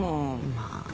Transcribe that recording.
まあ。